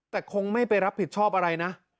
แต่คงไม่ไปรับผิดชอบอะไรนะ